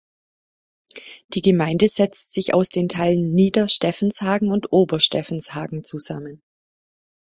Die Gemeinde setzt sich aus den Teilen Nieder Steffenshagen und Ober Steffenshagen zusammen.